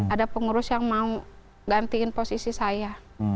ada pengurus yang mau gantiin posisi saya